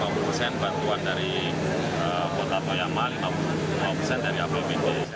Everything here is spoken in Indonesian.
lima puluh persen bantuan dari kota toyama lima puluh persen dari abu abu itu